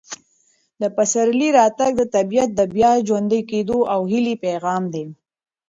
د پسرلي راتګ د طبیعت د بیا ژوندي کېدو او هیلې پیغام دی.